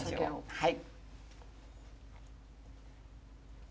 はい。